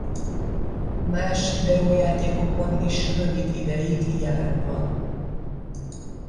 Más videójátékokban is rövid ideig jelen van.